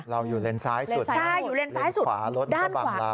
เราอยู่เลนซ้ายสุดเลนขวารถก็บังเรา